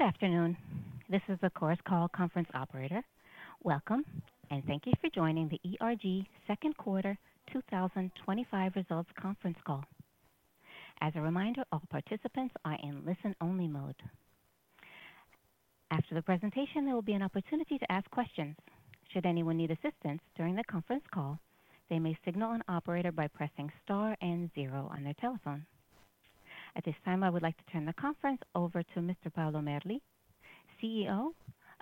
Good afternoon. This is the course call conference operator. Welcome, and thank you for joining the ERG Second Quarter 2025 Results conference call. As a reminder, all participants are in listen-only mode. After the presentation, there will be an opportunity to ask questions. Should anyone need assistance during the conference call, they may signal an operator by pressing star and zero on their telephone. At this time, I would like to turn the conference over to Mr. Paolo Merli, CEO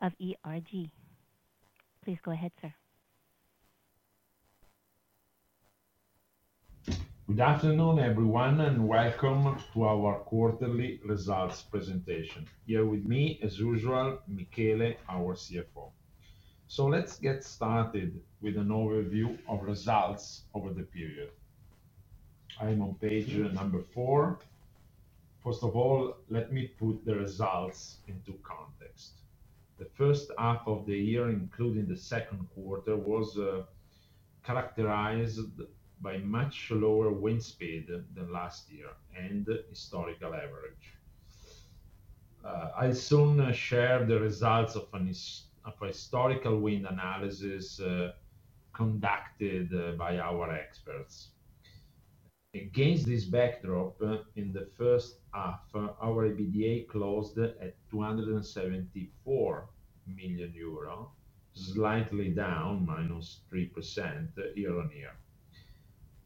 of ERG. Please go ahead, sir. Good afternoon, everyone, and welcome to our quarterly results presentation. Here with me, as usual, Michele, our CFO. Let's get started with an overview of results over the period. I am on page number four. First of all, let me put the results into context. The first half of the year, including the second quarter, was characterized by a much lower wind speed than last year and historical average. I'll soon share the results of a historical wind analysis conducted by our experts. Against this backdrop, in the first half, our EBITDA closed at 274 million euro, slightly down, minus 3% year on year.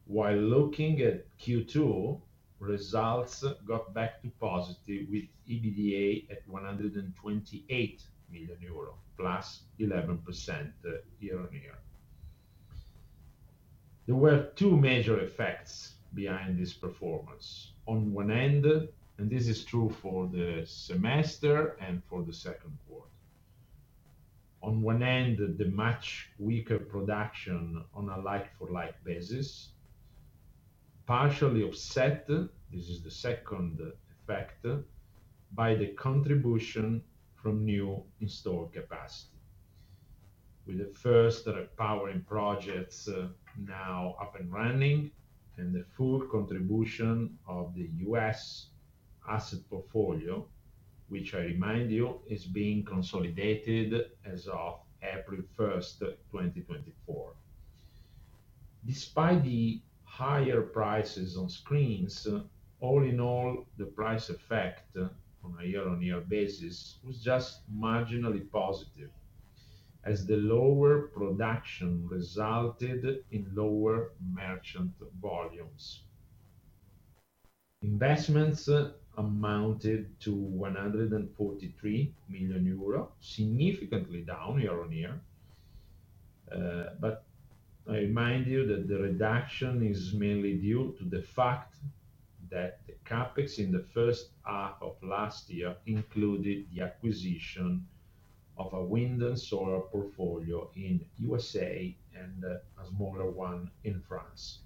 While looking at Q2, results got back to positive with EBITDA at 128 million euro, plus 11% year on year. There were two major effects behind this performance. On one end, and this is true for the semester and for the second quarter, on one end, the much weaker production on a like-for-like basis, partially offset, this is the second effect, by the contribution from new installed capacity. With the first repowering projects now up and running and the full contribution of the U.S. asset portfolio, which I remind you is being consolidated as of April 1, 2024. Despite the higher prices on screens, all in all, the price effect on a year-on-year basis was just marginally positive as the lower production resulted in lower merchant volumes. Investments amounted to 143 million euro, significantly down year on year. I remind you that the reduction is mainly due to the fact that the CapEx in the first half of last year included the acquisition of a wind and solar portfolio in the U.S. and a smaller one in France.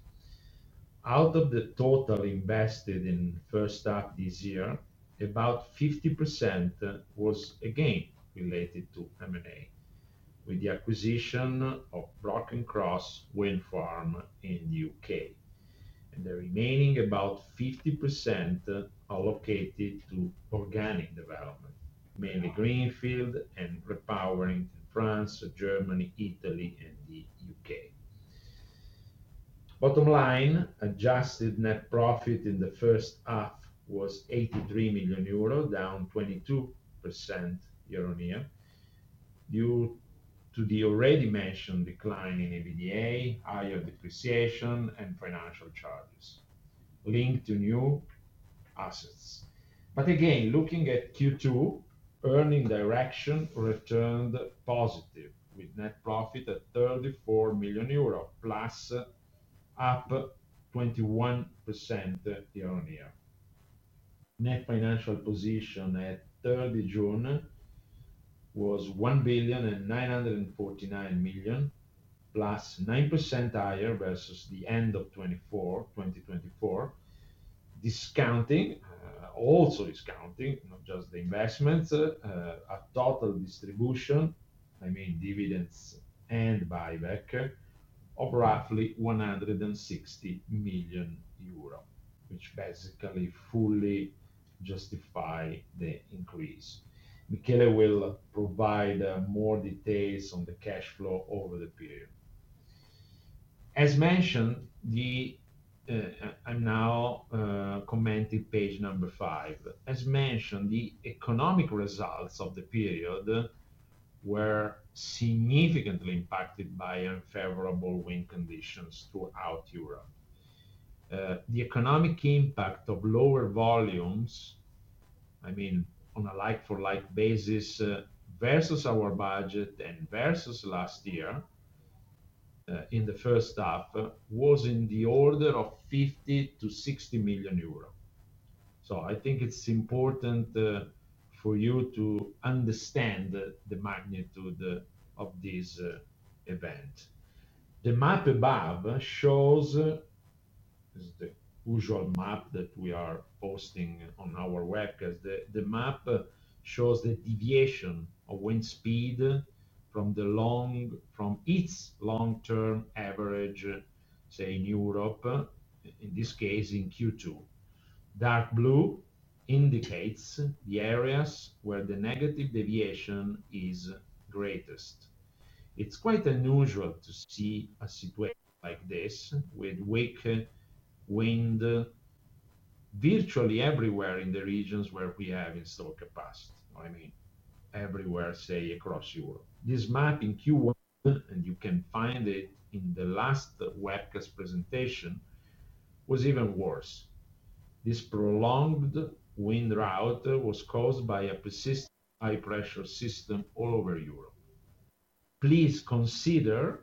Out of the total invested in the first half this year, about 50% was again related to M&A, with the acquisition of Broken Cross Wind Farm in the U.K., and the remaining about 50% allocated to organic development, mainly greenfield and repowering in France, Germany, Italy, and the U.K.. Bottom line, adjusted net profit in the first half was 83 million euro, down 22% year on year, due to the already mentioned decline in EBITDA, higher depreciation, and financial charges linked to new assets. Again, looking at Q2, earning direction returned positive with net profit at 34 million euro, up 21% year on year. Net financial position at 30 June was 1,949,000,000, plus 9% higher versus the end of 2024, discounting also, not just the investments, a total distribution, I mean dividends and buyback of roughly 160 million euro, which basically fully justifies the increase. Michele Pedemonte will provide more details on the cash flow over the period. As mentioned, I'm now commenting page number five. As mentioned, the economic results of the period were significantly impacted by unfavorable wind conditions throughout Europe. The economic impact of lower volumes, I mean on a like-for-like basis versus our budget and versus last year in the first half, was in the order of 50-60 million euro. I think it's important for you to understand the magnitude of this event. The map above shows the usual map that we are posting on our web because the map shows the deviation of wind speed from its long-term average, say, in Europe, in this case, in Q2. Dark blue indicates the areas where the negative deviation is greatest. It's quite unusual to see a situation like this with weak wind virtually everywhere in the regions where we have installed capacity, I mean, everywhere, say, across Europe. This map in Q1, and you can find it in the last webcast presentation, was even worse. This prolonged wind drought was caused by a persistent high-pressure system all over Europe. Please consider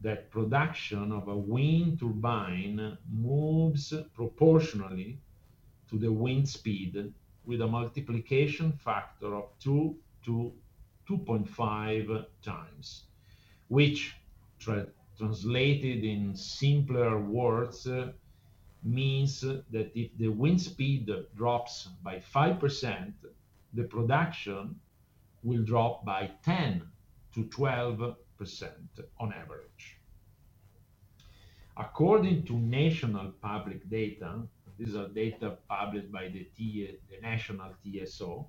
that production of a wind turbine moves proportionally to the wind speed with a multiplication factor of two to 2.5 times, which translated in simpler words means that if the wind speed drops by 5%, the production will drop by 10%-12% on average. According to national public data, these are data published by the national TSO,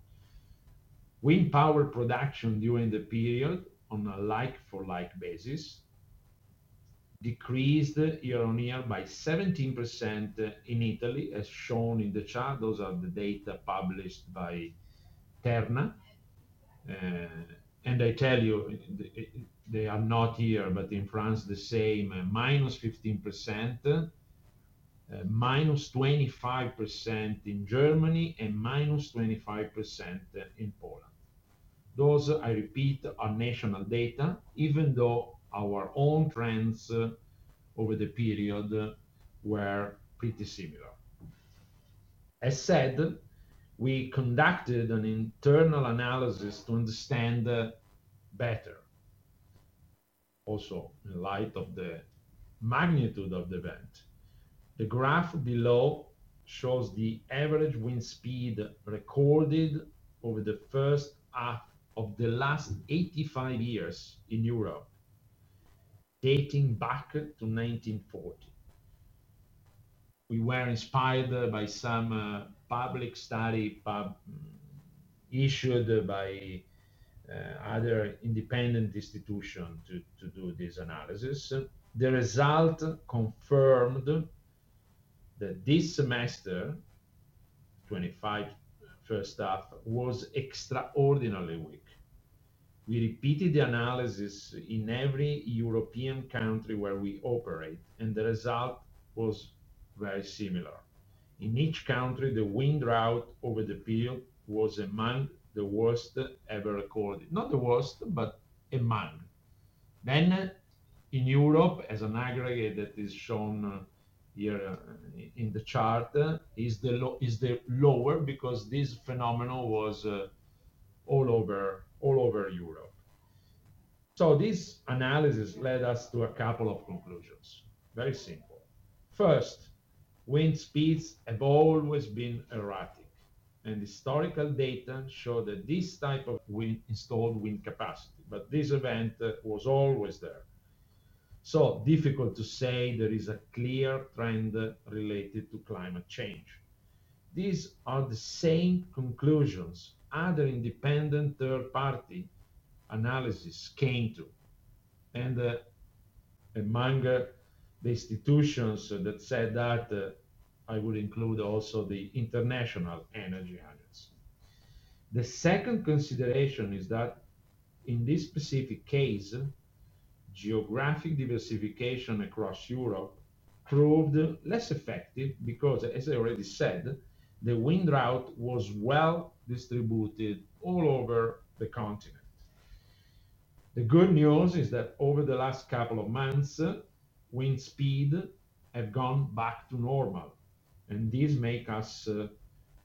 wind power production during the period on a like-for-like basis decreased year on year by 17% in Italy, as shown in the chart. Those are the data published by Terna. I tell you, they are not here, but in France, the same, minus 15%, minus 25% in Germany, and minus 25% in Poland. Those, I repeat, are national data, even though our own trends over the period were pretty similar. As said, we conducted an internal analysis to understand better, also in light of the magnitude of the event. The graph below shows the average wind speed recorded over the first half of the last 85 years in Europe, dating back to 1940. We were inspired by some public study issued by other independent institutions to do this analysis. The result confirmed that this semester, 2025, first half, was extraordinarily weak. We repeated the analysis in every European country where we operate, and the result was very similar. In each country, the wind drought over the period was among the worst ever recorded, not the worst, but among. In Europe, as an aggregate that is shown here in the chart, it is lower because this phenomenon was all over Europe. This analysis led us to a couple of conclusions, very simple. First, wind speeds have always been erratic, and historical data show that this type of wind installed wind capacity, but this event was always there. It is difficult to say there is a clear trend related to climate change. These are the same conclusions other independent third-party analysis came to. Among the institutions that said that, I would include also the International Energy Agency. The second consideration is that in this specific case, geographic diversification across Europe proved less effective because, as I already said, the wind drought was well distributed all over the continent. The good news is that over the last couple of months, wind speed has gone back to normal, and this makes us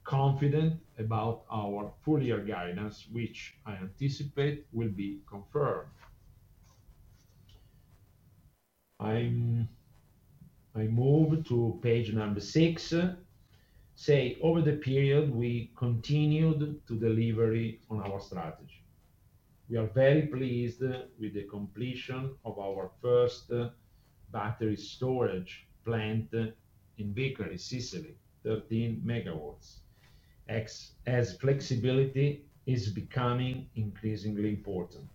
confident about our full-year guidance, which I anticipate will be confirmed. I move to page number six. Over the period, we continued to deliver on our strategy. We are very pleased with the completion of our first battery storage plant in Vicari, Sicily, 13 MW, as flexibility is becoming increasingly important.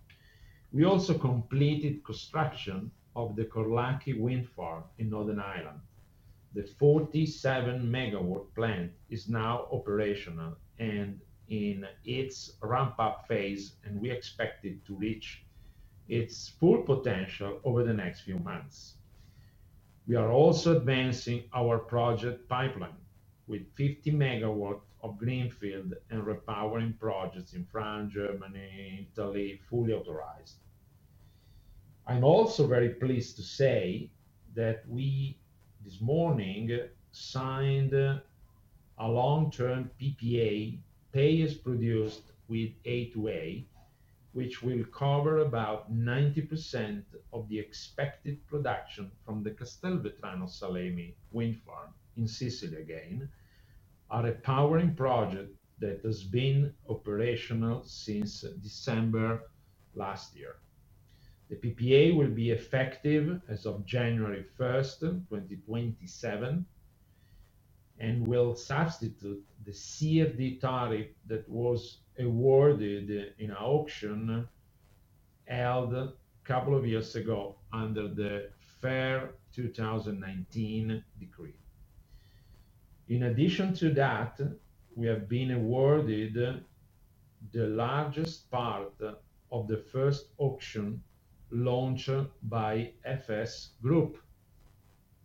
We also completed construction of the Corlacky Wind Farm in Northern Ireland. The 47-megawatt plant is now operational and in its ramp-up phase, and we expect it to reach its full potential over the next few months. We are also advancing our project pipeline with 50 MW of greenfield and repowering projects in France, Germany, Italy, fully authorized. I'm also very pleased to say that we, this morning, signed a long-term PPA, pay-as-produced, with A2A, which will cover about 90% of the expected production from the Castelvetrano Salemi Wind Farm in Sicily, again, a repowering project that has been operational since December last year. The PPA will be effective as of January 1, 2027, and will substitute the CFD tariff that was awarded in an auction held a couple of years ago under the FER1 2019 decree. In addition to that, we have been awarded the largest part of the first auction launched by FS Group,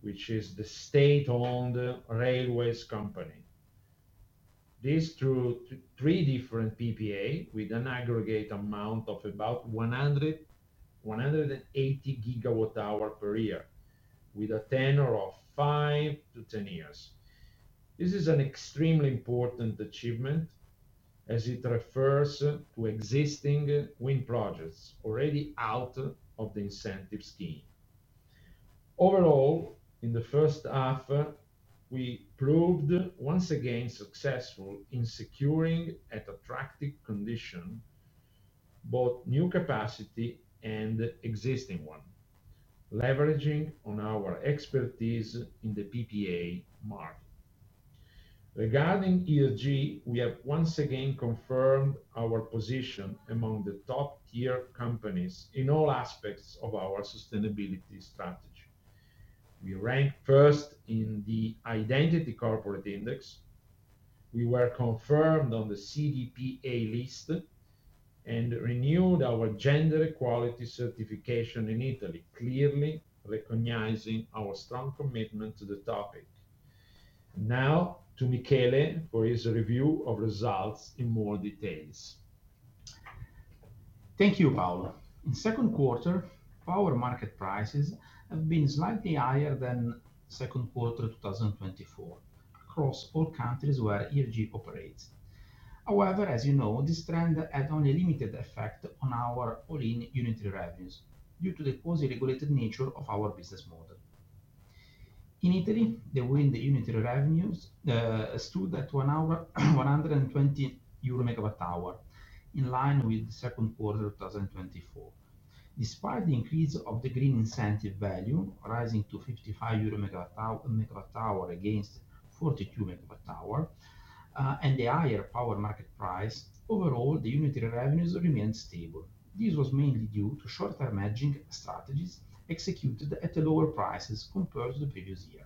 which is the state-owned railways company. This is through three different PPAs with an aggregate amount of about 180 GWh per year, with a tenure of 5-10 years. This is an extremely important achievement as it refers to existing wind projects already out of the incentive scheme. Overall, in the first half, we proved once again successful in securing at attractive conditions both new capacity and existing one, leveraging on our expertise in the PPA market. Regarding ESG, we have once again confirmed our position among the top-tier companies in all aspects of our sustainability strategy. We ranked first in the Identity Corporate Index. We were confirmed on the CDP A list and renewed our gender equality certification in Italy, clearly recognizing our strong commitment to the topic. Now to Michele for his review of results in more details. Thank you, Paolo. In the second quarter, power market prices have been slightly higher than the second quarter of 2024 across all countries where ERG operates. However, as you know, this trend had only limited effect on our all-in unitary revenues due to the closely regulated nature of our business model. In Italy, the wind unitary revenues stood at 120 euro/MWh in line with the second quarter of 2024. Despite the increase of the green incentive value rising to 55 euro/MWh against 42/MWh and the higher power market price, overall, the unitary revenues remained stable. This was mainly due to short-term hedging strategies executed at the lower prices compared to the previous year.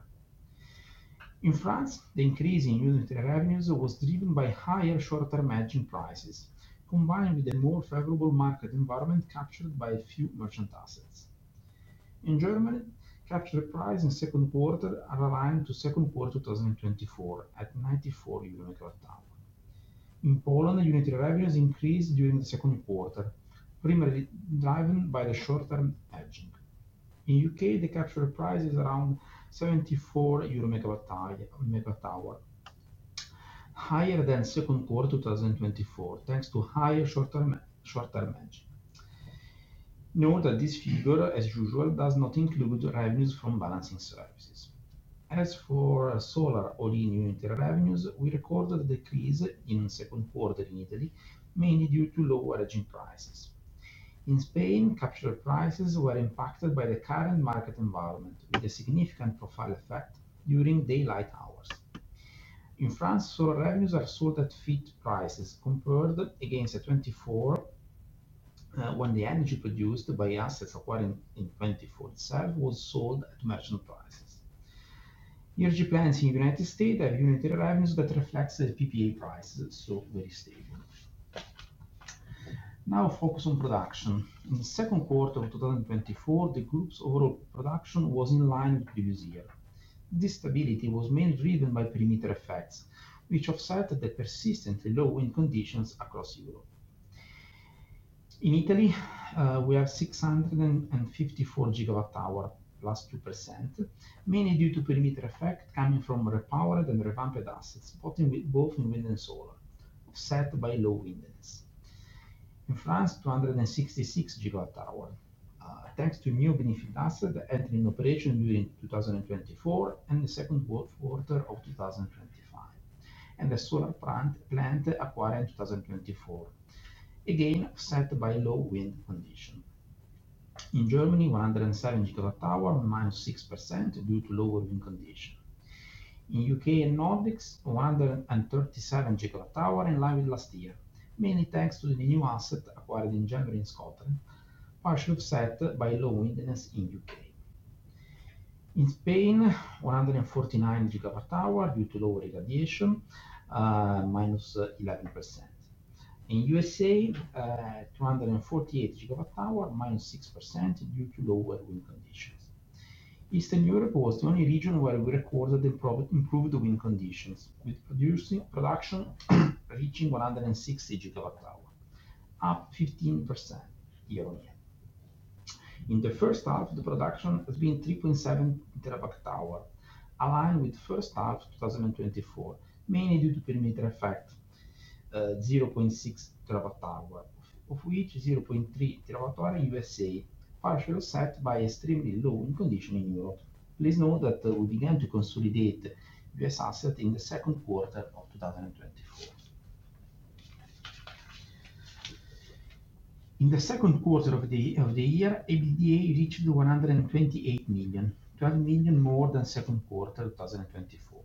In France, the increase in unitary revenues was driven by higher short-term hedging prices, combined with a more favorable market environment captured by few merchant assets. In Germany, capture prices in the second quarter are aligned to the second quarter of 2024 at 94 euros/MWh. In Poland, unitary revenues increased during the second quarter, primarily driven by the short-term hedging. In the U.K., the capture price is around 74 euro/MWh, higher than the second quarter of 2024, thanks to higher short-term hedging. Note that this figure, as usual, does not include revenues from balancing services. As for solar all-in unitary revenues, we recorded a decrease in the second quarter in Italy, mainly due to lower hedging prices. In Spain, capture prices were impacted by the current market environment with a significant profile effect during daylight hours. In France, solar revenues are sold at fit prices compared against 2024 when the energy produced by assets acquired in 2024 itself was sold at merchant prices. Energy plants in the US have unitary revenues that reflect the PPA prices, so very stable. Now, focus on production. In the second quarter of 2024, the group's overall production was in line with the previous year. This stability was mainly driven by perimeter effects, which offset the persistently low wind conditions across Europe. In Italy, we have 654 GWh, plus 2%, mainly due to perimeter effect coming from repowered and revamped assets, spotting with both in wind and solar, offset by low windiness. In France, 266 GWh, thanks to new benefit assets entering operation during 2024 and the second quarter of 2025, and a solar plant acquired in 2024, again offset by low wind conditions. In Germany, 107 GWh, minus 6% due to lower wind conditions. In the U.K. and Nordics, 137 GWh in line with last year, mainly thanks to the new asset acquired in January in Scotland, partially offset by low windiness in the U.K. In Spain, 149 GWh due to lower irradiation, minus 11%. In the US, 248 GWh, minus 6% due to lower wind conditions. Eastern Europe was the only region where we recorded improved wind conditions with production reaching 160 GWh, up 15% year on year. In the first half, the production has been 3.7 terawatt-hour, aligned with the first half of 2024, mainly due to perimeter effect, 0.6 terawatt-hour, of which 0.3 terawatt-hour in the US, partially offset by extremely low wind conditions in Europe. Please note that we began to consolidate US assets in the second quarter of 2024. In the second quarter of the year, EBITDA reached 128 million, 12 million more than the second quarter of 2024.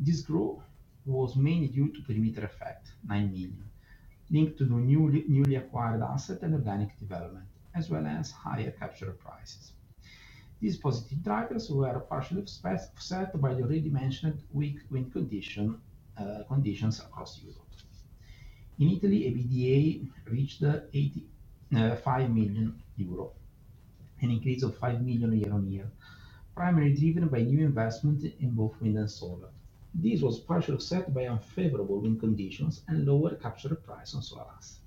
This growth was mainly due to perimeter effect, 9 million, linked to the newly acquired assets and organic development, as well as higher capture prices. These positive drivers were partially offset by the already mentioned weak wind conditions across Europe. In Italy, EBITDA reached 85 million euro, an increase of 5 million year on year, primarily driven by new investment in both wind and solar. This was partially offset by unfavorable wind conditions and lower capture prices on solar assets.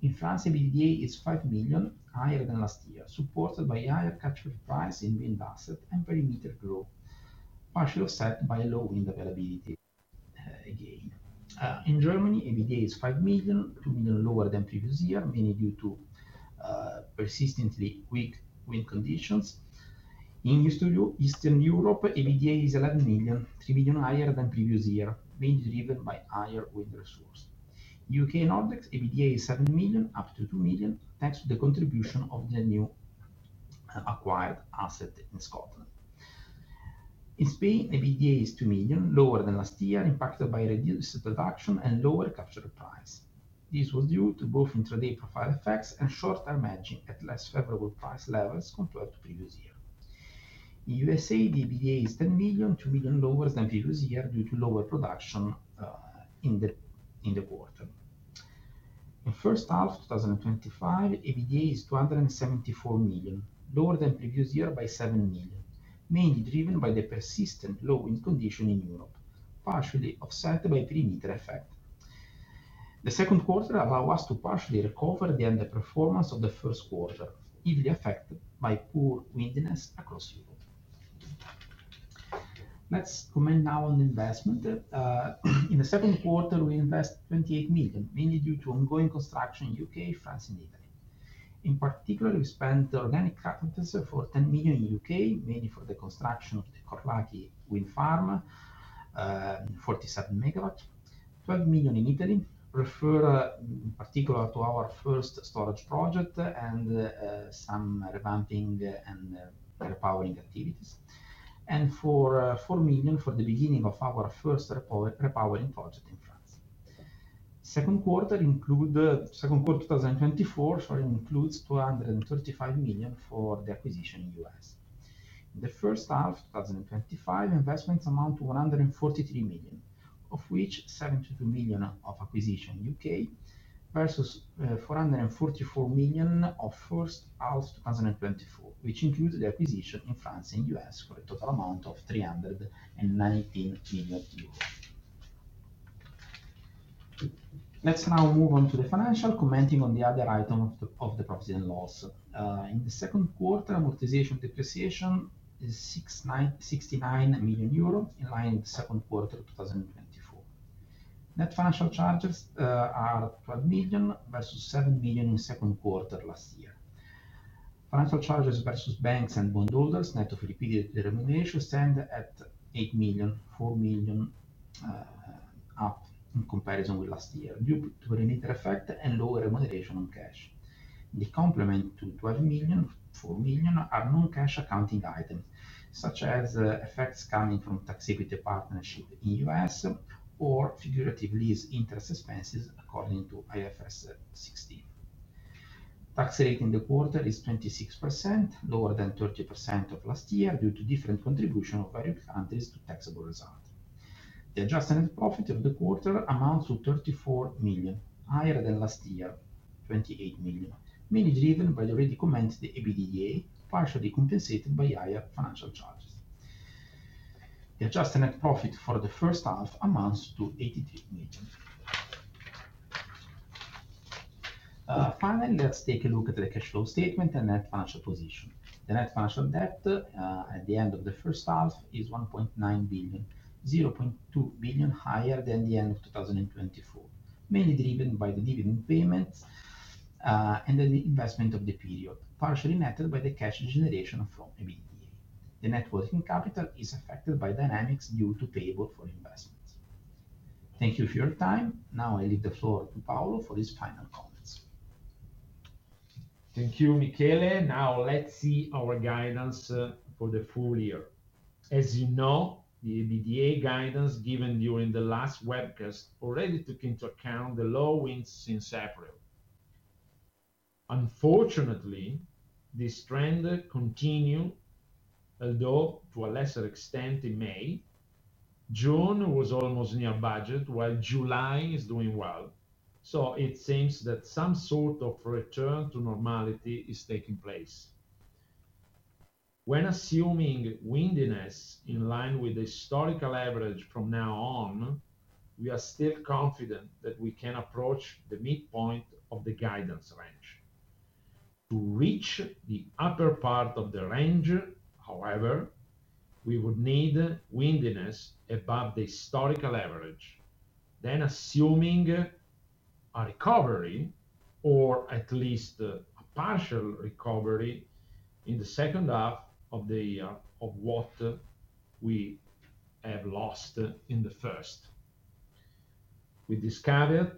In France, EBITDA is 5 million, higher than last year, supported by higher capture prices in wind assets and perimeter growth, partially offset by low wind availability again. In Germany, EBITDA is 5 million, 2 million lower than the previous year, mainly due to persistently weak wind conditions. In Eastern Europe, EBITDA is 11 million, 3 million higher than the previous year, mainly driven by higher wind resources. In the U.K. and Nordics, EBITDA is 7 million, up to 2 million, thanks to the contribution of the new acquired assets in Scotland. In Spain, EBITDA is 2 million, lower than last year, impacted by reduced production and lower capture prices. This was due to both intraday profile effects and short-term hedging at less favorable price levels compared to the previous year. In the US, the EBITDA is 10 million, 2 million lower than the previous year due to lower production in the quarter. In the first half of 2025, EBITDA is 274 million, lower than the previous year by 7 million, mainly driven by the persistent low wind conditions in Europe, partially offset by perimeter effect. The second quarter allowed us to partially recover the underperformance of the first quarter, heavily affected by poor windiness across Europe. Let's comment now on the investment. In the second quarter, we invest 28 million, mainly due to ongoing construction in the U.K., France, and Italy. In particular, we spent organic capital for 10 million in the U.K., mainly for the construction of the Korlachi Wind Farm, 47 MW. 12 million in Italy refer in particular to our first battery storage plant and some revamping and repowering activities, and 4 million for the beginning of our first repowering project in France. The second quarter of 2024 includes 235 million for the acquisition in the US. In the first half of 2025, investments amount to 143 million, of which 72 million of acquisition in the U.K. versus 444 million of the first half of 2024, which includes the acquisition in France and the US for a total amount of 319 million euros. Let's now move on to the financial, commenting on the other item of the provision laws. In the second quarter, amortization of depreciation is 69 million euro, in line with the second quarter of 2024. Net financial charges are 12 million versus 7 million in the second quarter last year. Financial charges versus banks and bondholders, net of repeated remuneration, stand at 8 million, 4 million up in comparison with last year, due to perimeter effect and lower remuneration on cash. The complement to 12 million, 4 million are non-cash accounting items, such as effects coming from tax equity partnerships in the US or figurative lease, interest expenses according to IFRS 16. The tax rate in the quarter is 26%, lower than 30% of last year due to different contributions of various countries to the taxable result. The adjusted net profit of the quarter amounts to 34 million, higher than last year, 28 million, mainly driven by the already commented EBITDA, partially compensated by higher financial charges. The adjusted net profit for the first half amounts to 83 million. Finally, let's take a look at the cash flow statement and net financial position. The net financial debt at the end of the first half is 1.9 billion, 0.2 billion higher than the end of 2023, mainly driven by the dividend payments and the investment of the period, partially met by the cash generation from EBITDA. The net working capital is affected by dynamics due to payable for investments. Thank you for your time. Now I leave the floor to Paolo for his final comments. Thank you, Michele. Now let's see our guidance for the full year. As you know, the EBITDA guidance given during the last webcast already took into account the low winds since April. Unfortunately, this trend continued, although to a lesser extent in May. June was almost near budget, while July is doing well. It seems that some sort of return to normality is taking place. When assuming windiness in line with the historical average from now on, we are still confident that we can approach the midpoint of the guidance range. To reach the upper part of the range, however, we would need windiness above the historical average, assuming a recovery or at least a partial recovery in the second half of the year of what we have lost in the first.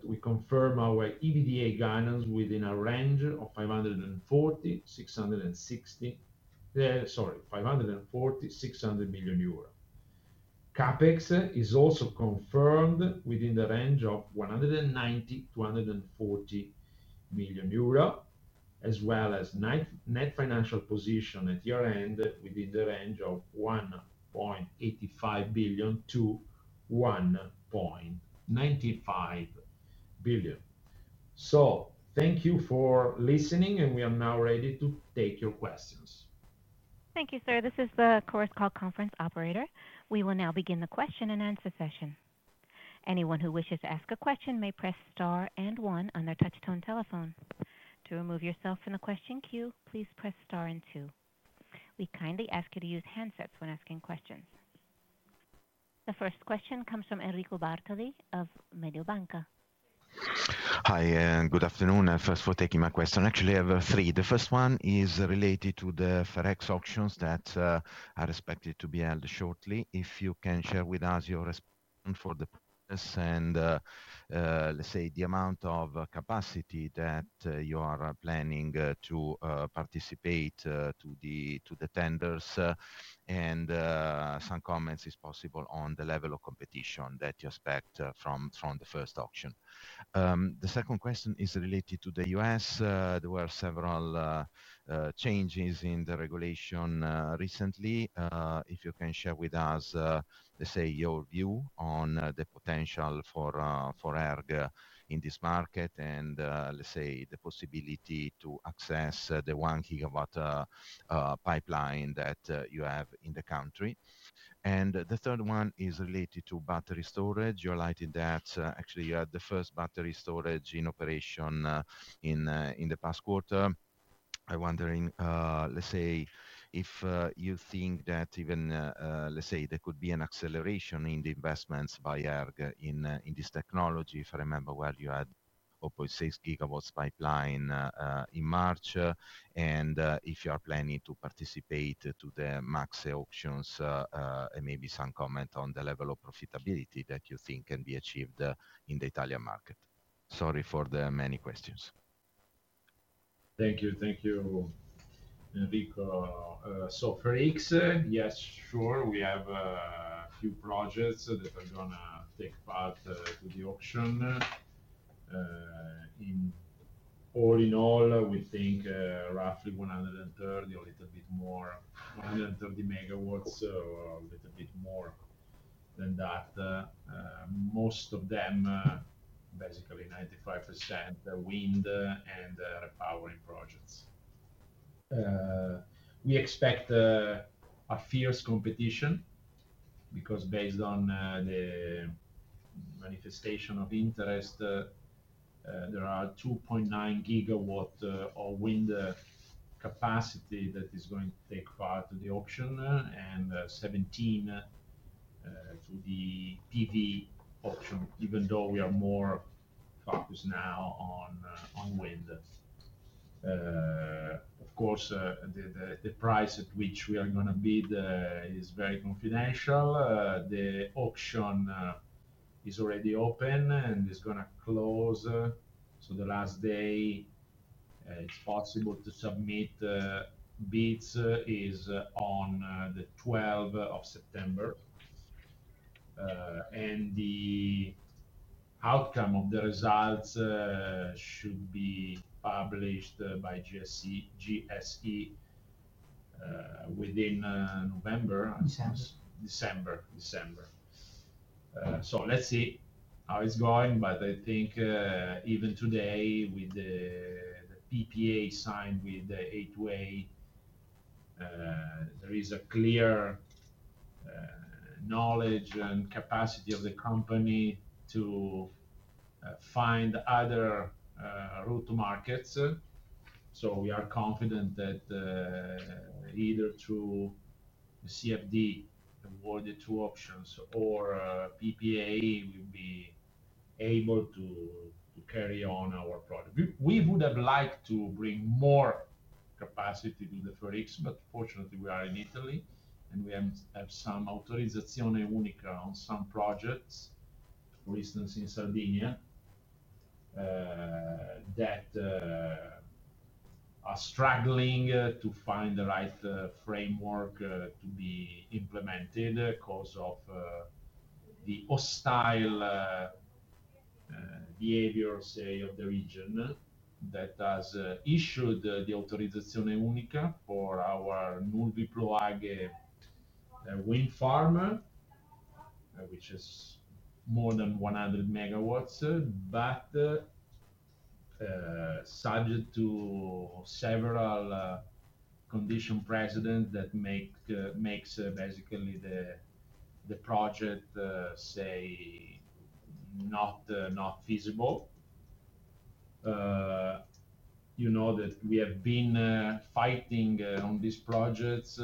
We confirmed our EBITDA guidance within a range of 540-600 million euro. CapEx is also confirmed within the range of 190-140 million euro, as well as net financial position at year end within the range of 1.85 billion-1.95 billion. Thank you for listening, and we are now ready to take your questions. Thank you, sir. This is the course call conference operator. We will now begin the question and answer session. Anyone who wishes to ask a question may press star and one on their touch-tone telephone. To remove yourself from the question queue, please press star and two. We kindly ask you to use handsets when asking questions. The first question comes from Enrico Bartoli of Mediobanca. Hi, and good afternoon. First, thank you for taking my question. Actually, I have three. The first one is related to the FER1 auctions that are expected to be held shortly. If you can share with us your response for the process and, let's say, the amount of capacity that you are planning to participate in the tenders and some comments, if possible, on the level of competition that you expect from the first auction. The second question is related to the U.S. There were several changes in the regulation recently. If you can share with us, let's say, your view on the potential for ERG in this market and, let's say, the possibility to access the one-gigawatt pipeline that you have in the country. The third one is related to battery storage. You're highlighting that actually, you had the first battery storage plant in operation in the past quarter. I'm wondering, let's say, if you think that even, let's say, there could be an acceleration in the investments by ERG in this technology. If I remember well, you had a 4.6 GW pipeline in March. If you are planning to participate in the Maxi auctions and maybe some comment on the level of profitability that you think can be achieved in the Italian market. Sorry for the many questions. Thank you. Thank you, Enrico. For ERG, yes, sure, we have a few projects that are going to take part in the auction. All in all, we think roughly 130 or a little bit more, 130 MW or a little bit more than that. Most of them, basically 95%, are wind and repowering projects. We expect a fierce competition because based on the manifestation of interest, there are 2.9 GW of wind capacity that is going to take part in the auction and 17 to the PV auction, even though we are more focused now on wind. Of course, the price at which we are going to bid is very confidential. The auction is already open and is going to close. The last day it's possible to submit bids is on the 12th of September. The outcome of the results should be published by GSE within November. December.ADecember. Let's see how it's going. I think even today, with the PPA signed with A2A, there is a clear knowledge and capacity of the company to find other route markets. We are confident that either through the CFD, awarded two auctions, or PPA, we'll be able to carry on our product. We would have liked to bring more capacity to the FER1, but unfortunately, we are in Italy and we have some Autorizzazione Unica on some projects, for instance, in Sardinia, that are struggling to find the right framework to be implemented because of the hostile behavior, say, of the region that has issued the Autorizzazione Unica for our Nulvi-Ploaghe wind farm, which is more than 100 MW, but subject to several condition precedents that make basically the project, say, not feasible. You know that we have been fighting on these projects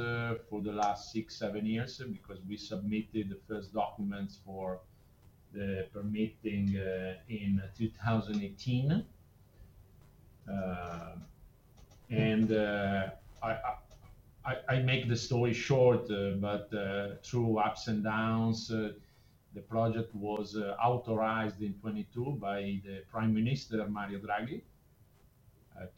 for the last six, seven years because we submitted the first documents for the permitting in 2018. I make the story short, but through ups and downs, the project was authorized in 2022 by the Prime Minister, Mario Draghi,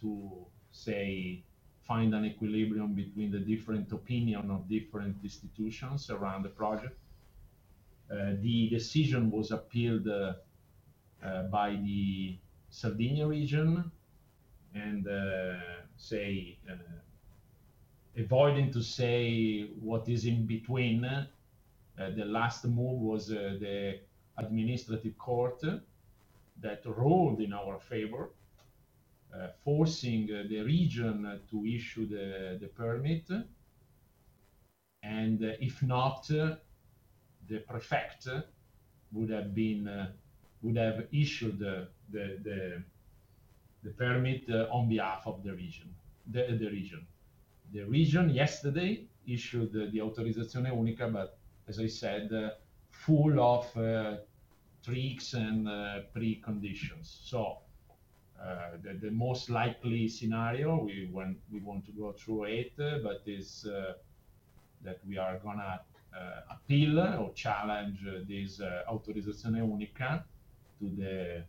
to, say, find an equilibrium between the different opinions of different institutions around the project. The decision was appealed by the Sardinia region and, say, avoiding to say what is in between, the last move was the administrative court that ruled in our favor, forcing the region to issue the permit. If not, the prefect would have issued the permit on behalf of the region. The region yesterday issued the Autorizzazione Unica, but as I said, full of tricks and preconditions. The most likely scenario, we want to go through it, but is that we are going to appeal or challenge this Autorizzazione Unica to the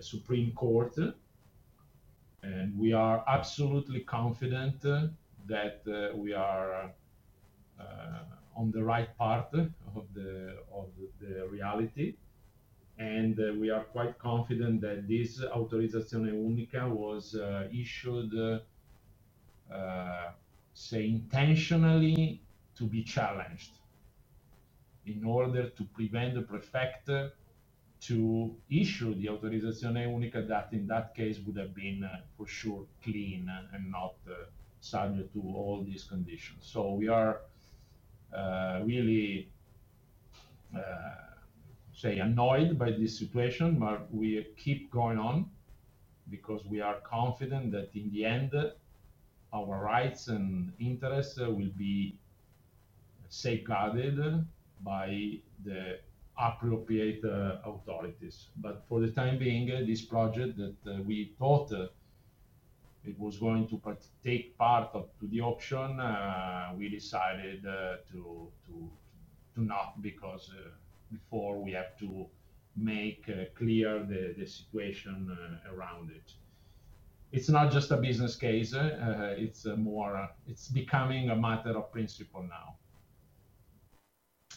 Supreme Court. We are absolutely confident that we are on the right part of the reality, and we are quite confident that this Autorizzazione Unica was issued, say, intentionally to be challenged in order to prevent the prefect to issue the Autorizzazione Unica that in that case would have been for sure clean and not subject to all these conditions. We are really, say, annoyed by this situation, but we keep going on because we are confident that in the end, our rights and interests will be safeguarded by the appropriate authorities. For the time being, this project that we thought it was going to take part to the auction, we decided to not because before we have to make clear the situation around it. It's not just a business case. It's becoming a matter of principle now.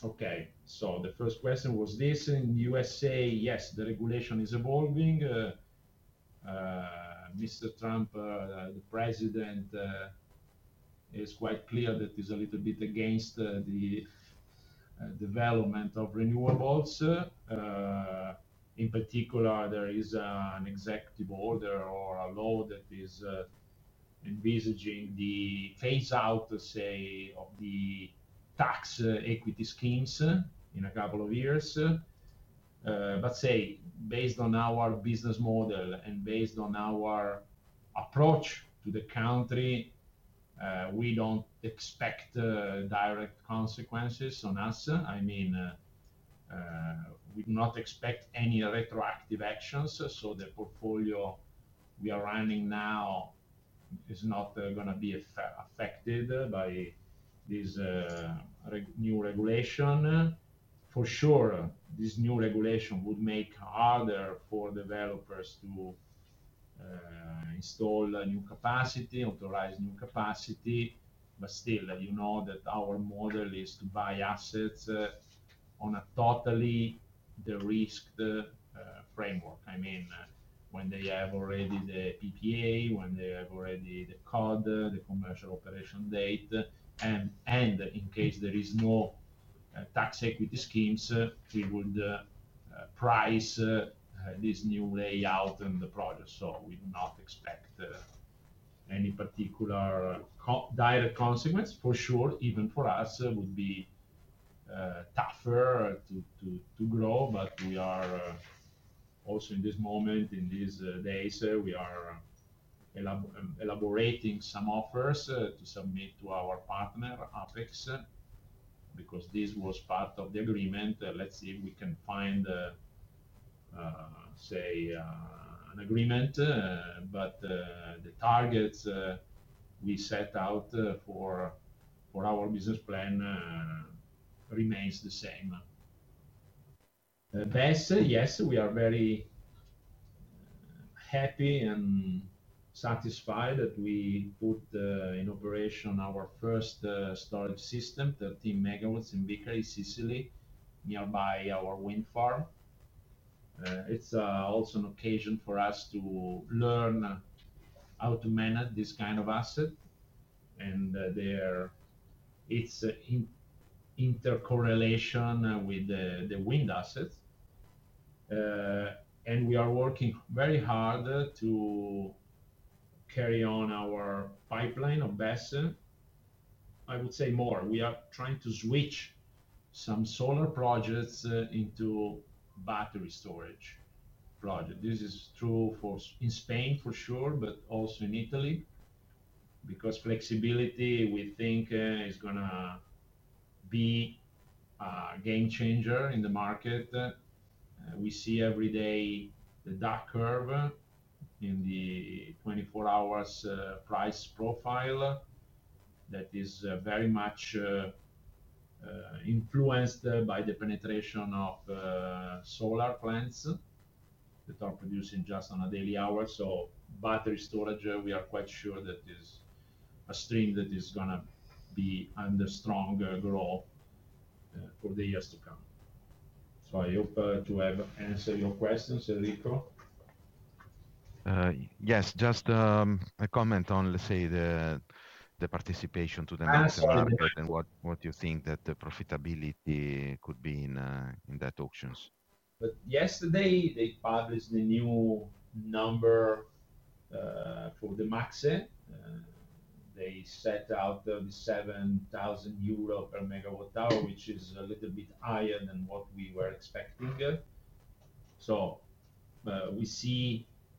Okay. The first question was this: in the U.S., yes, the regulation is evolving. Mr. Trump, the President, is quite clear that he's a little bit against the development of renewables. In particular, there is an executive order or a law that is envisaging the phase-out, say, of the tax equity schemes in a couple of years. Based on our business model and based on our approach to the country, we don't expect direct consequences on us. I mean, we do not expect any retroactive actions. The portfolio we are running now is not going to be affected by this new regulation. For sure, this new regulation would make it harder for developers to install new capacity, authorize new capacity. Still, you know that our model is to buy assets on a totally derisked framework. I mean, when they have already the PPA, when they have already the COD, the commercial operation date, and in case there are no tax equity schemes, we would price this new layout and the project. We do not expect any particular direct consequence. For sure, even for us, it would be tougher to grow. We are also in this moment, in these days, elaborating some offers to submit to our partner, Apex, because this was part of the agreement. Let's see if we can find, say, an agreement. The targets we set out for our business plan remain the same. Best, yes, we are very happy and satisfied that we put in operation our first storage system, 13 MW in Vicari, Sicily, nearby our wind farm. It's also an occasion for us to learn how to manage this kind of asset. It's in intercorrelation with the wind assets. We are working very hard to carry on our pipeline of battery storage. I would say more. We are trying to switch some solar projects into battery storage projects. This is true in Spain for sure, but also in Italy because flexibility, we think, is going to be a game changer in the market. We see every day the duck curve in the 24-hour price profile that is very much influenced by the penetration of solar plants that are producing just on a daily hour. Battery storage, we are quite sure, is a stream that is going to be under strong growth for the years to come. I hope to have answered your questions, Enrico. Yes, just a comment on, let's say, the participation to the next auction. What do you think that the profitability could be in that auction? Yesterday, they published the new number for the Maxi. They set out the EUR 7,000/MWh, which is a little bit higher than what we were expecting.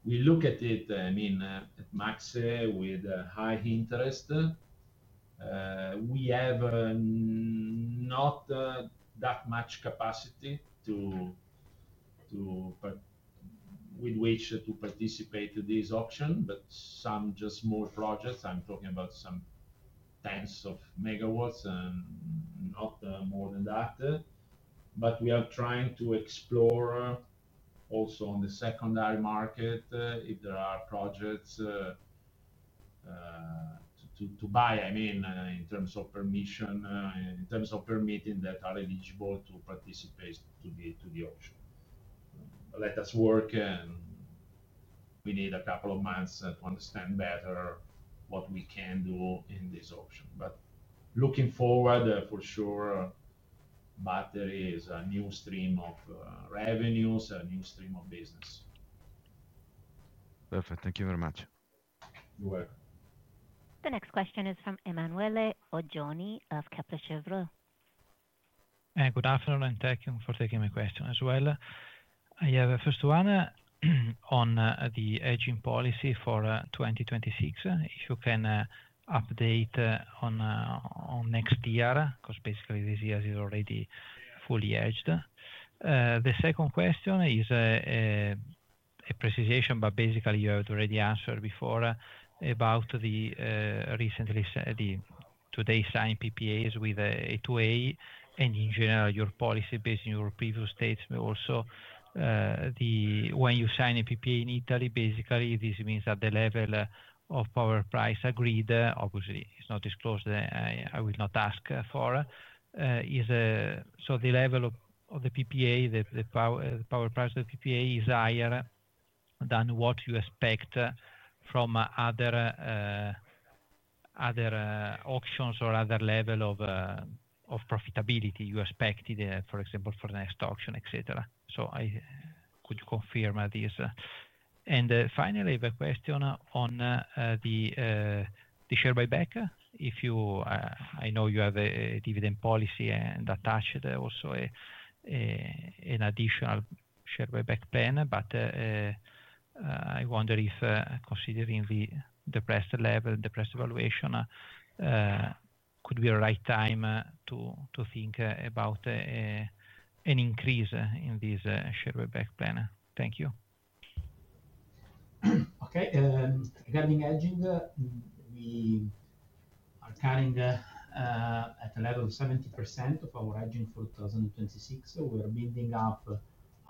We look at it, I mean, at Maxi with high interest. We have not that much capacity with which to participate in this auction, but some just small projects. I'm talking about some tens of megawatts and not more than that. We are trying to explore also on the secondary market if there are projects to buy, I mean, in terms of permission, in terms of permitting that are eligible to participate in the auction. Let us work, and we need a couple of months to understand better what we can do in this auction. Looking forward, for sure, battery is a new stream of revenues, a new stream of business. Perfect. Thank you very much. You're welcome. The next question is from Emanuele Oggioni of Kepler Cheuvreux. Good afternoon, and thank you for taking my question as well. I have a first one on the hedging policy for 2026. If you can update on next year because basically this year is already fully hedged. The second question is a precisation, but basically you have already answered before about the recently today signed PPAs with A2A and in general your policy based on your previous statement. Also, when you sign a PPA in Italy, basically this means that the level of power price agreed, obviously it's not disclosed, I will not ask for, is so the level of the PPA, the power price of the PPA is higher than what you expect from other auctions or other levels of profitability you expected, for example, for the next auction, etc. I could confirm this. Finally, I have a question on the share buyback. I know you have a dividend policy and attached also an additional share buyback plan, but I wonder if considering the depressed level and depressed evaluation, could be the right time to think about an increase in this share buyback plan. Thank you. Okay. Regarding hedging, we are carrying at a level of 70% of our hedging for 2026. We are building up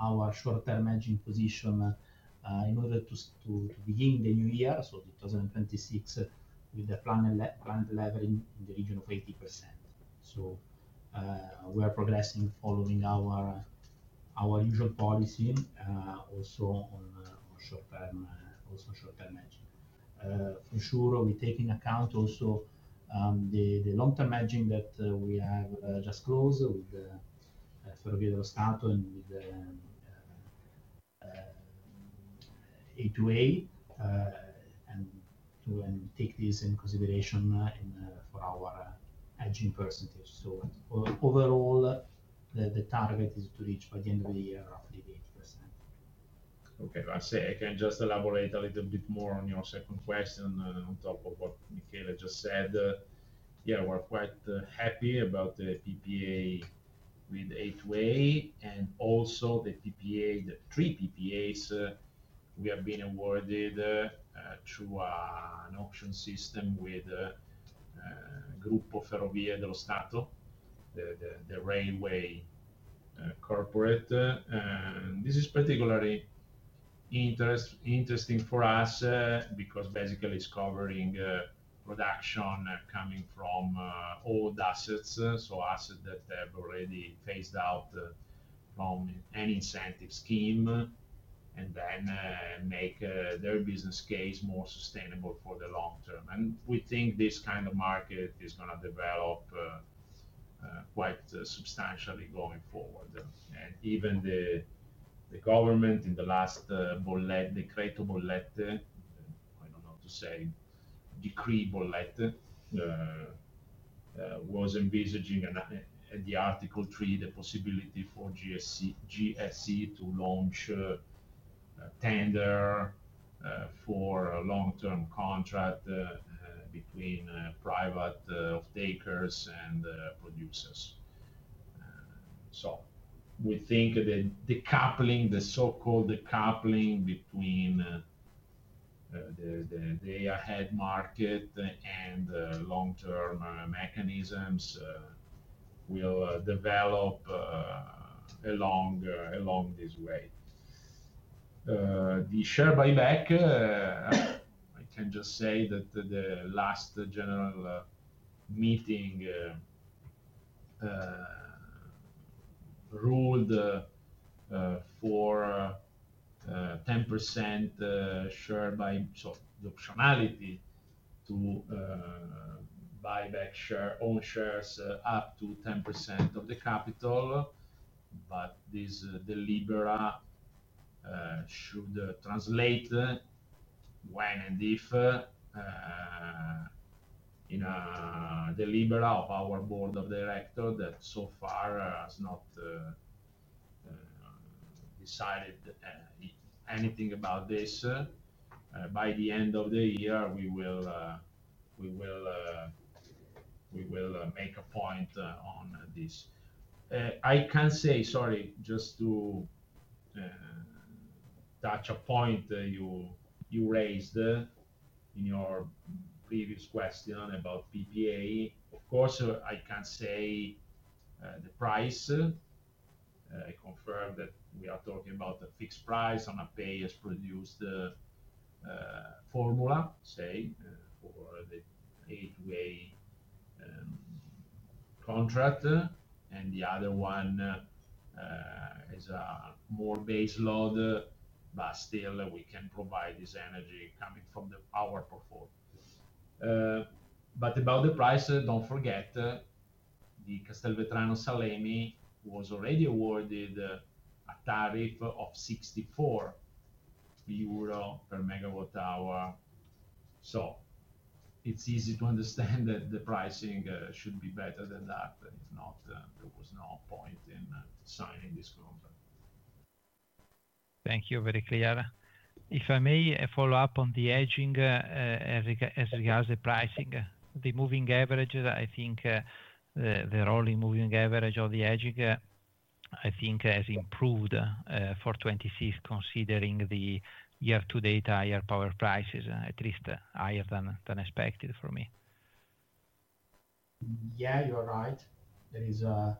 our short-term hedging position in order to begin the new year, 2026, with the plan leveraging in the region of 80%. We are progressing following our usual policy, also on short-term hedging. For sure, we take into account also the long-term hedging that we have just closed with the Federal Grid Restart and with A2A and take this into consideration for our hedging percentage. Overall, the target is to reach by the end of the year roughly the 80%. Okay. I can just elaborate a little bit more on your second question on top of what Michele just said. Yeah, we're quite happy about the PPA with A2A and also the three PPAs we have been awarded through an auction system with the FS Group, the railway corporate. This is particularly interesting for us because basically it's covering production coming from old assets, so assets that have already phased out from any incentive scheme and then make their business case more sustainable for the long term. We think this kind of market is going to develop quite substantially going forward. Even the government in the last, the so-called Bollette decree, was envisaging at Article 3 the possibility for GSE to launch a tender for a long-term contract between private off-takers and producers. We think that the coupling, the so-called coupling between the day-ahead market and long-term mechanisms, will develop along this way. The share buyback, I can just say that the last general meeting ruled for 10% share buyback optionality to buy back own shares up to 10% of the capital. This delibera should translate when and if in a delibera of our board of directors that so far has not decided anything about this. By the end of the year, we will make a point on this. I can say, sorry, just to touch a point you raised in your previous question about PPA. Of course, I can say the price. I confirm that we are talking about a fixed price on a pay-as-produced formula, say, for the A2A contract. The other one is a more base load, but still we can provide this energy coming from our portfolio. About the price, don't forget the Castelvetrano Salemi was already awarded a tariff of 64 euro/MWh. It's easy to understand that the pricing should be better than that. If not, there was no point in signing this contract. Thank you, very clear. If I may follow up on the hedging as regards the pricing, the moving average, I think the rolling moving average of the hedging has improved for 2026, considering the year-to-date higher power prices, at least higher than expected for me. Yeah, you're right. There is a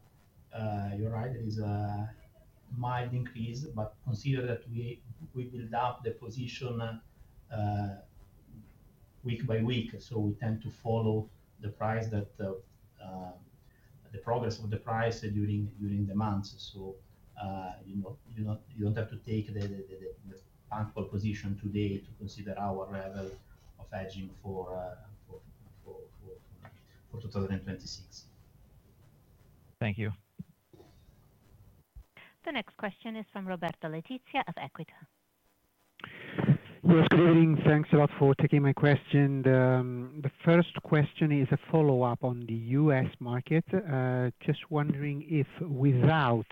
mild increase, but consider that we build up the position week by week. We tend to follow the progress of the price during the months. You don't have to take the bankable position today to consider our level of hedging for 2026. Thank you. The next question is from Roberto Letizia of Equita. Yes, good evening. Thanks a lot for taking my question. The first question is a follow-up on the U.S. market. Just wondering if, without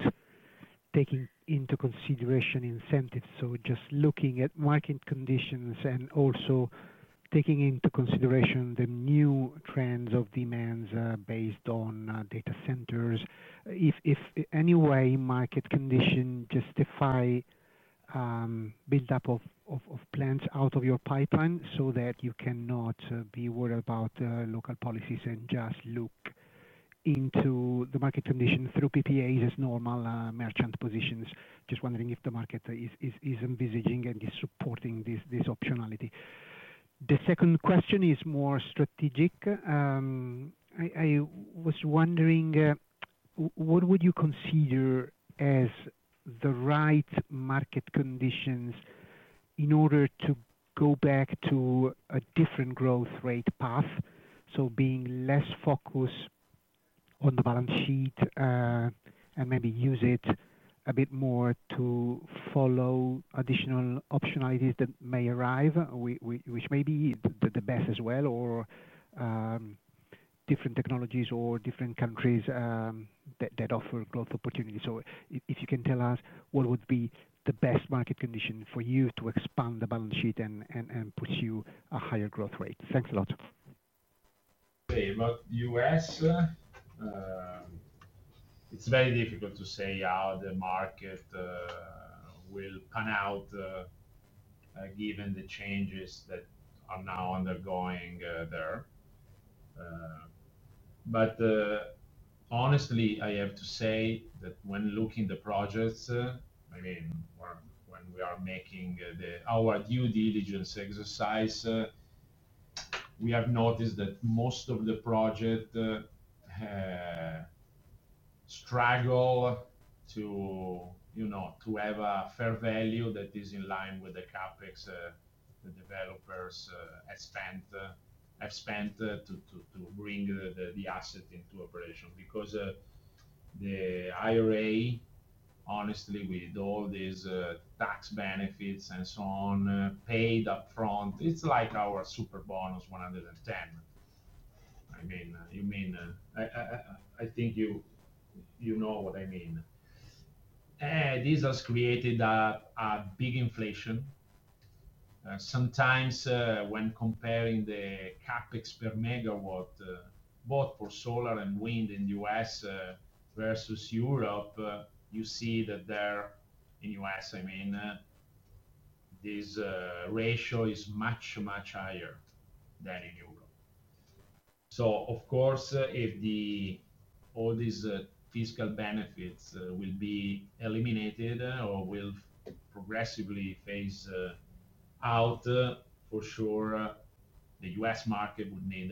taking into consideration incentives, so just looking at market conditions and also taking into consideration the new trends of demands based on data centers, if in any way market conditions justify build-up of plants out of your pipeline so that you cannot be worried about local policies and just look into the market condition through PPAs as normal merchant positions. Just wondering if the market is envisaging and is supporting this optionality. The second question is more strategic. I was wondering, what would you consider as the right market conditions in order to go back to a different growth rate path? Being less focused on the balance sheet and maybe use it a bit more to follow additional optionalities that may arrive, which may be the best as well, or different technologies or different countries that offer growth opportunities. If you can tell us what would be the best market condition for you to expand the balance sheet and pursue a higher growth rate. Thanks a lot. Hey, about the US, it's very difficult to say how the market will pan out given the changes that are now undergoing there. Honestly, I have to say that when looking at the projects, I mean, when we are making our due diligence exercise, we have noticed that most of the projects struggle to have a fair value that is in line with the CapEx the developers have spent to bring the asset into operation. The IRA, honestly, with all these tax benefits and so on, paid upfront, it's like our super bonus 110. I mean, I think you know what I mean. This has created a big inflation. Sometimes when comparing the CapEx per megawatt, both for solar and wind in the U.S. versus Europe, you see that there, in the US, this ratio is much, much higher than in Europe. Of course, if all these fiscal benefits will be eliminated or will progressively phase out, for sure, the U.S. market would need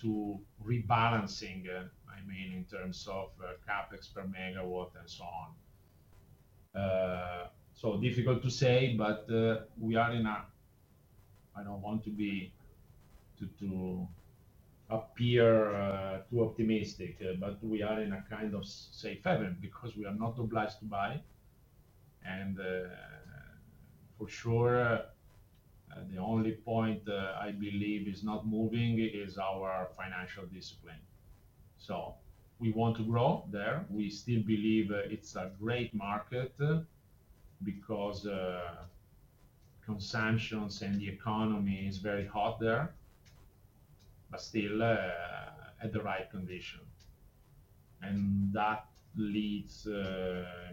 to rebalance in terms of CapEx per megawatt and so on. Difficult to say, but we are in a, I don't want to appear too optimistic, but we are in a kind of safe haven because we are not obliged to buy. For sure, the only point I believe is not moving is our financial discipline. We want to grow there. We still believe it's a great market because consumptions and the economy are very hot there, but still at the right condition. That leads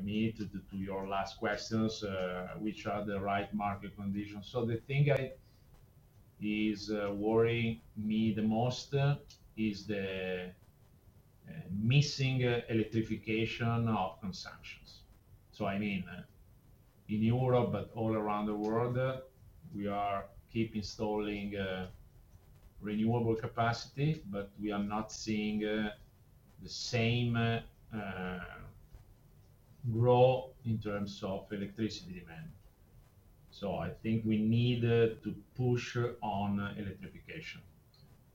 me to your last questions, which are the right market conditions. The thing that is worrying me the most is the missing electrification of consumptions. I mean, in Europe, but all around the world, we keep installing renewable capacity, but we are not seeing the same growth in terms of electricity demand. I think we need to push on electrification.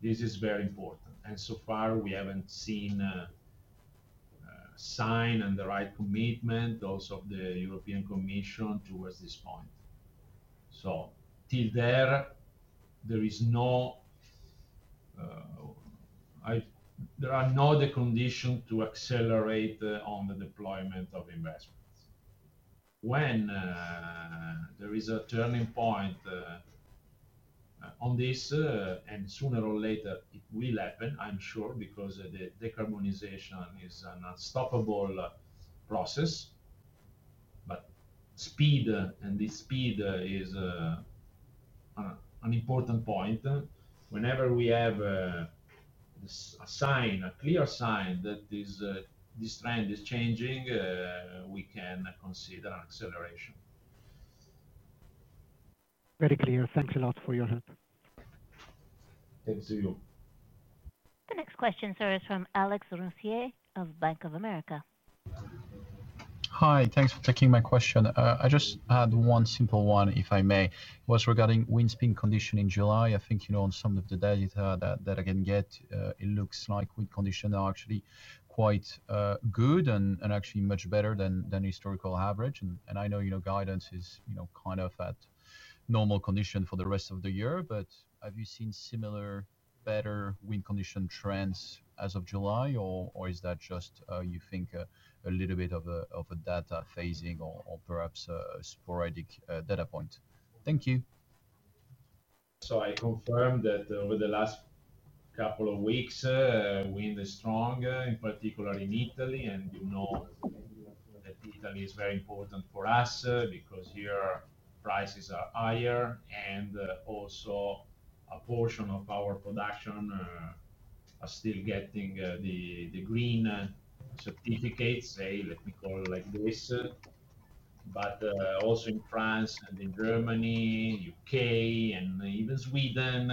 This is very important. So far, we haven't seen a sign and the right commitment also of the European Commission towards this point. Till there, there are no conditions to accelerate on the deployment of investments. When there is a turning point on this, and sooner or later, it will happen, I'm sure, because the decarbonization is an unstoppable process. Speed, and this speed is an important point. Whenever we have a sign, a clear sign that this trend is changing, we can consider an acceleration. Very clear. Thanks a lot for your help. Thank you. The next question, sir, is from Alex Roussier of Bank of America. Hi. Thanks for taking my question. I just had one simple one, if I may. It was regarding wind speed condition in July. I think on some of the data that I can get, it looks like wind conditions are actually quite good and actually much better than historical average. I know guidance is kind of at normal condition for the rest of the year, but have you seen similar, better wind condition trends as of July, or is that just, you think, a little bit of a data phasing or perhaps a sporadic data point? Thank you. I confirm that over the last couple of weeks, wind is strong, in particular in Italy. You know that Italy is very important for us because here prices are higher and also a portion of our production is still getting the green certificates, let me call it like this. Also in France and in Germany, U.K., and even Sweden,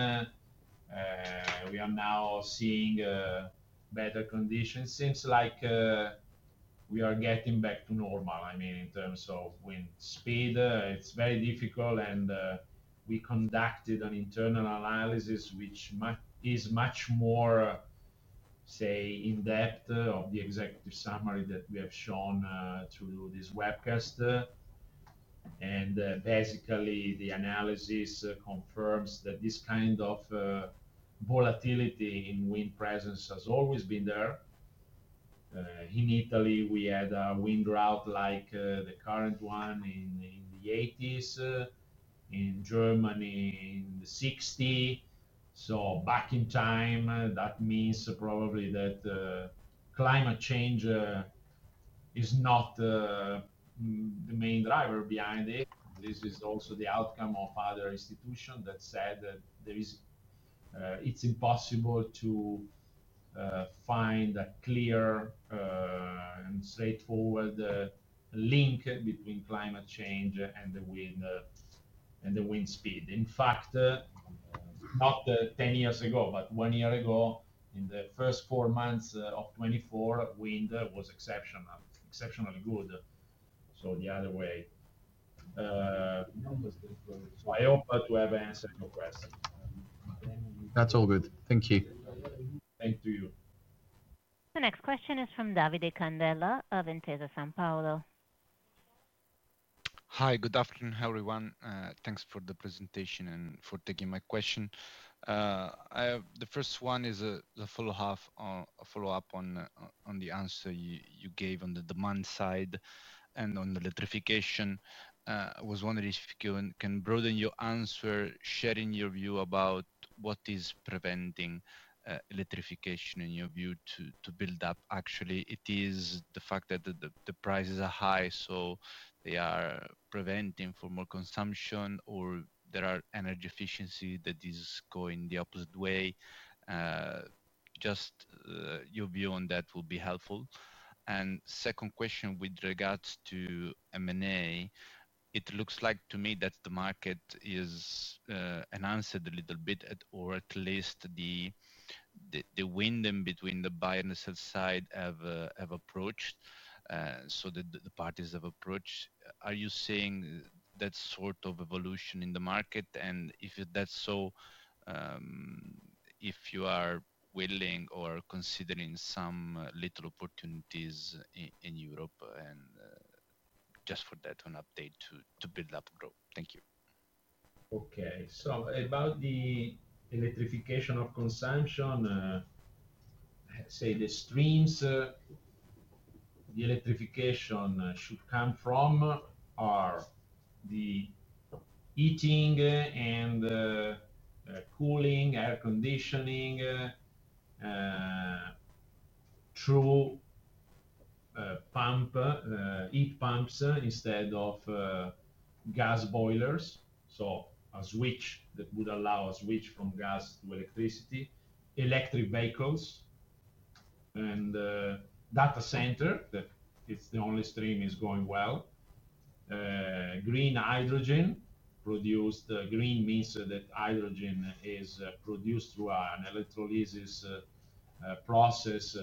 we are now seeing better conditions. It seems like we are getting back to normal. I mean, in terms of wind speed, it's very difficult. We conducted an internal analysis, which is much more in-depth than the executive summary that we have shown through this webcast. Basically, the analysis confirms that this kind of volatility in wind presence has always been there. In Italy, we had a wind drought like the current one in the 1980s, in Germany in the 1960s. Back in time, that means probably that climate change is not the main driver behind it. This is also the outcome of other institutions that said that it's impossible to find a clear and straightforward link between climate change and the wind speed. In fact, not 10 years ago, but one year ago, in the first four months of 2024, wind was exceptional, exceptionally good. The other way. I hope to have answered your question. That's all good. Thank you. Thank you. The next question is from Davide Candela of Intesa Sanpaolo. Hi. Good afternoon, everyone. Thanks for the presentation and for taking my question. The first one is a follow-up on the answer you gave on the demand side and on the electrification. I was wondering if you can broaden your answer, sharing your view about what is preventing electrification in your view to build up. Actually, is it the fact that the prices are high, so they are preventing more consumption, or are there energy efficiencies that are going the opposite way? Just your view on that will be helpful. Second question with regards to M&A, it looks like to me that the market is enhanced a little bit, or at least the wind in between the buyer and the sell side have approached. The parties have approached. Are you seeing that sort of evolution in the market? If that's so, are you willing or considering some little opportunities in Europe, and just for that, an update to build up growth. Thank you. Okay. About the electrification of consumption, the streams the electrification should come from are the heating and cooling, air conditioning through heat pumps instead of gas boilers. A switch that would allow a switch from gas to electricity, electric vehicles, and data centers, that is the only stream that is going well. Green hydrogen produced, green means that hydrogen is produced through an electrolysis process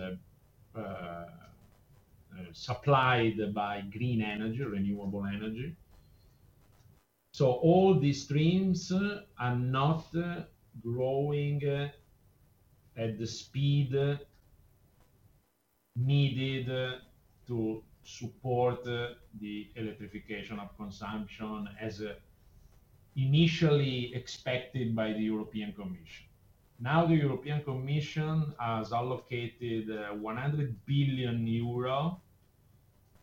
supplied by green energy, renewable energy. All these streams are not growing at the speed needed to support the electrification of consumption as initially expected by the European Commission. The European Commission has allocated 100 billion euro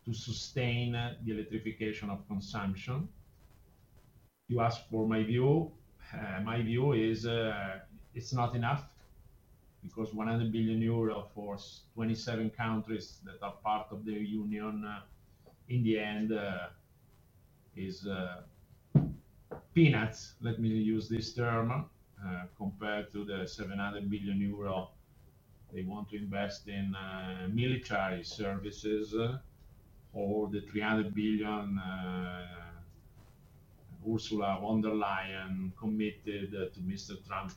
to sustain the electrification of consumption. You asked for my view. My view is it's not enough because 100 billion euro for 27 countries that are part of the Union, in the end, is peanuts, let me use this term, compared to the 700 billion euro they want to invest in military services or the EUR 300 billion Ursula von der Leyen committed to Mr. Trump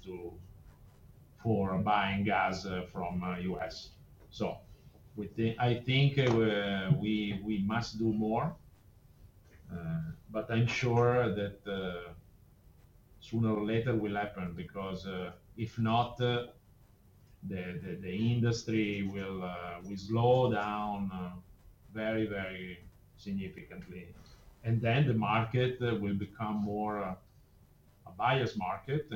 for buying gas from the U.S. I think we must do more, but I'm sure that sooner or later it will happen because if not, the industry will slow down very, very significantly. The market will become more a biased market.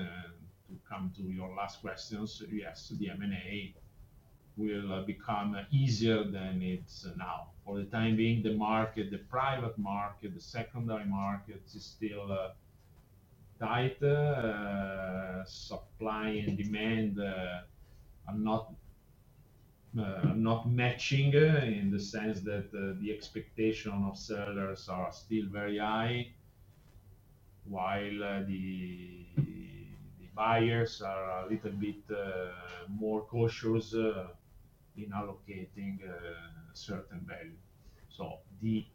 To come to your last questions, yes, the M&A will become easier than it is now. For the time being, the market, the private market, the secondary market is still tight. Supply and demand are not matching in the sense that the expectation of sellers are still very high, while the buyers are a little bit more cautious in allocating a certain value. The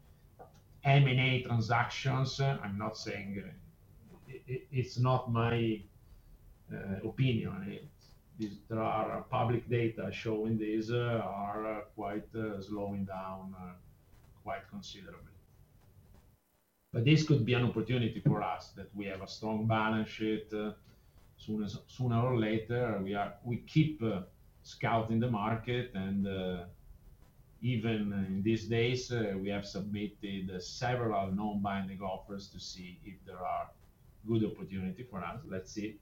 M&A transactions, I'm not saying it's not my opinion. There are public data showing these are quite slowing down quite considerably. This could be an opportunity for us that we have a strong balance sheet. Sooner or later, we keep scouting the market. Even in these days, we have submitted several non-binding offers to see if there are good opportunities for us. Let's see.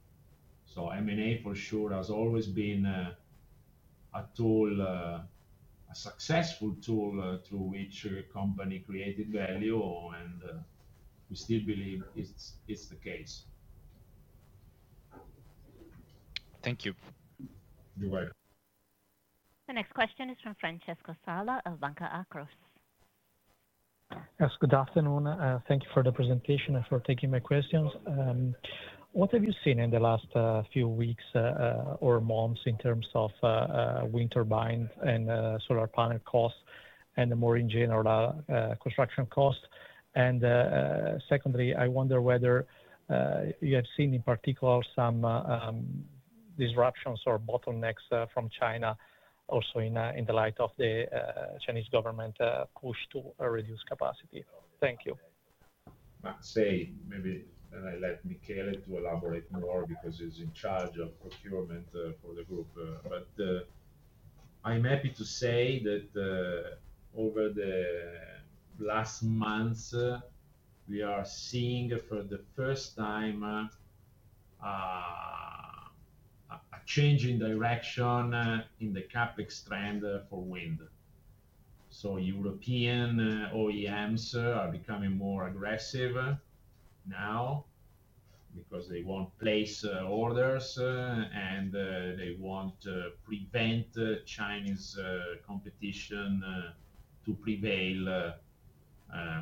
M&A, for sure, has always been a tool, a successful tool through which a company created value, and we still believe it's the case. Thank you. You're welcome. The next question is from Francesco Sala of Banca Akros. Yes. Good afternoon. Thank you for the presentation and for taking my questions. What have you seen in the last few weeks or months in terms of wind turbines and solar panel costs and more in general construction costs? Secondly, I wonder whether you have seen in particular some disruptions or bottlenecks from China, also in the light of the Chinese government push to reduce capacity. Thank you. I'll say maybe let Michele elaborate more because he's in charge of procurement for the group. I'm happy to say that over the last months, we are seeing for the first time a change in direction in the CapEx trend for wind. European OEMs are becoming more aggressive now because they want to place orders and they want to prevent Chinese competition to prevail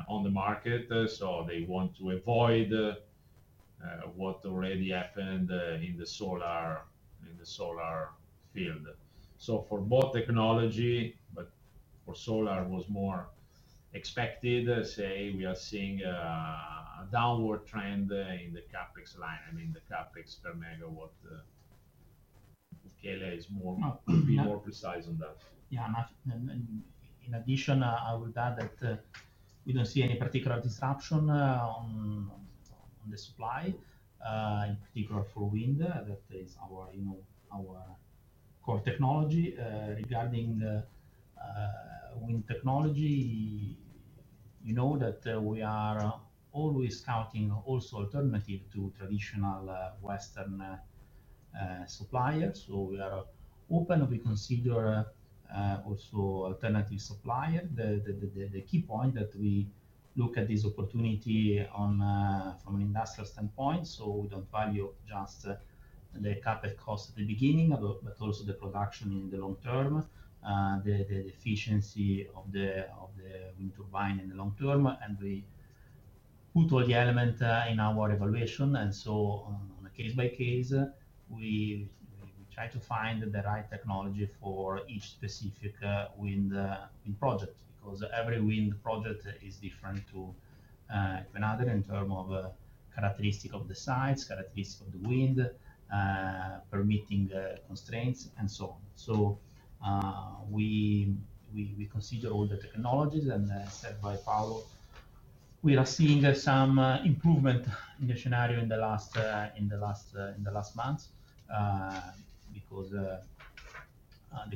on the market. They want to avoid what already happened in the solar field. For both technology, but for solar it was more expected, we are seeing a downward trend in the CapEx line. I mean, the CapEx per megawatt. Michele will be more precise on that. Yeah. In addition, I would add that we don't see any particular disruption on the supply, in particular for wind. That is our core technology. Regarding wind technology, you know that we are always scouting also alternatives to traditional Western suppliers. We are open. We consider also alternative suppliers. The key point is that we look at this opportunity from an industrial standpoint. We don't value just the CapEx cost at the beginning, but also the production in the long term, the efficiency of the wind turbine in the long term. We put all the elements in our evaluation. On a case-by-case basis, we try to find the right technology for each specific wind project because every wind project is different from another in terms of characteristics of the sites, characteristics of the wind, permitting constraints, and so on. We consider all the technologies. As said by Paolo, we are seeing some improvement in the scenario in the last months because the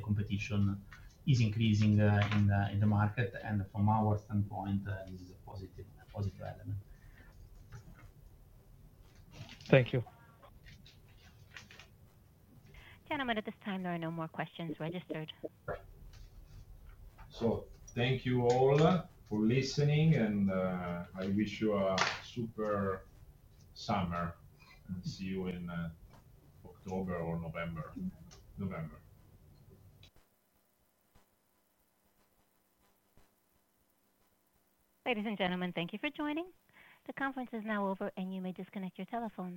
competition is increasing in the market. From our standpoint, this is a positive element. Thank you. I'm going to, at this time, there are no more questions registered. Thank you all for listening, and I wish you a super summer. See you in October or November. Ladies and gentlemen, thank you for joining. The conference is now over, and you may disconnect your telephones.